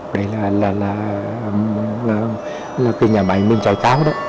đây là cái nhà máy mình chạy cáo đó